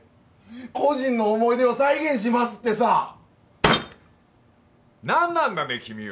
故人の思い出を再現しますってさ何なんだね君は！